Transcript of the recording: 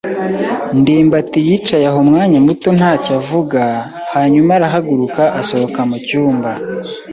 ndimbati yicaye aho umwanya muto ntacyo avuga, hanyuma arahaguruka asohoka mu cyumba.